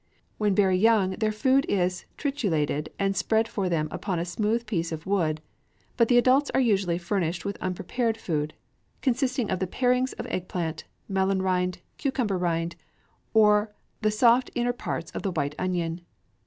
When very young, their food is triturated and spread for them upon a smooth piece of wood; but the adults are usually furnished with unprepared food, consisting of parings of egg plant, melon rind, cucumber rind, or the soft interior parts of the white onion.